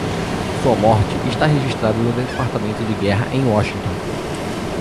Sua morte está registrada no Departamento de Guerra em Washington.